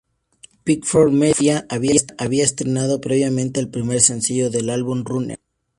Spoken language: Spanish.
Pitchfork Media había estrenado previamente el primer sencillo del álbum, "Runner".